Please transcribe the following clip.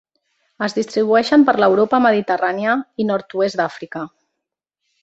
Es distribueixen per l'Europa mediterrània, i nord-oest d'Àfrica.